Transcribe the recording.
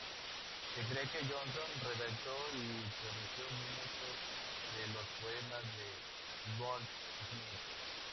Se cree que Johnson redactó y corrigió muchos de los poemas de Goldsmith.